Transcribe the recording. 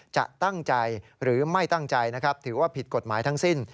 จะตั้งใจหรือไม่ตั้งใจนะครับถือว่าผิดกฎหมายทั้งสิ้น